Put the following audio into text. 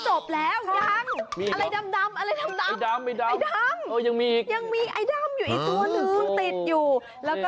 ตอนแรกนึกว่าจบแล้วอย่ามีที่อีก